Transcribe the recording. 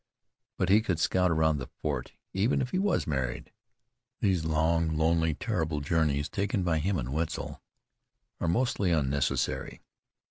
But he could scout around the fort, even if he was married. These long, lonely, terrible journeys taken by him and Wetzel are mostly unnecessary.